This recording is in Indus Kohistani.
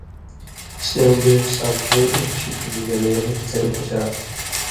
سیوں بے سامٹَھیں ایک شِکل گلے څَیں پَشا تھہ،